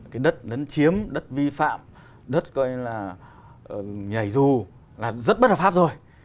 cái đất đấn chiếm đất vi phạm đất coi như là nhảy ru là rất bất hợp pháp rồi